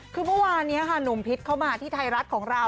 คือเมื่อวานนี้ค่ะหนุ่มพิษเข้ามาที่ไทยรัฐของเรา